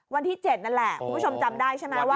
วันที่๗นั่นแหละคุณผู้ชมจำได้ใช่ไหมว่า